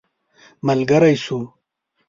ملګری سو.